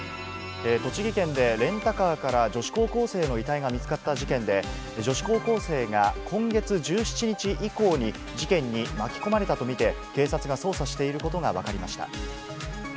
栃木県で、レンタカーから女子高校生の遺体が見つかった事件で、女子高校生が今月１７日以降に事件に巻き込まれたと見て、警察が捜査していることが分かりました。